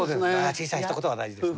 小さいひと言が大事ですね。